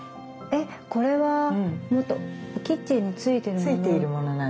えっこれはキッチンについてるもの。